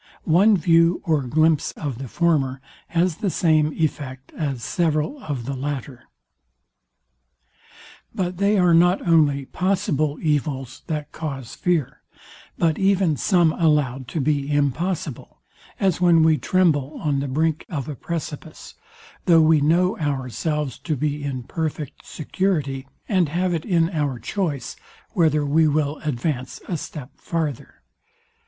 One view or glimpse of the former, has the same effect as several of the latter. But they are not only possible evils, that cause fear, but even some allowed to be impossible; as when we tremble on the brink of a precipice, though we know ourselves to be in perfect security, and have it in our choice whether we will advance a step farther.